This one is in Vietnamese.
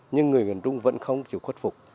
nhưng người miền trung vẫn không chịu khuất phục